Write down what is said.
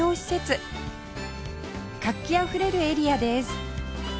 活気あふれるエリアです